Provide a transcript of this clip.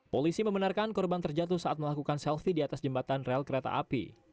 polisi membenarkan korban terjatuh saat melakukan selfie di atas jembatan rel kereta api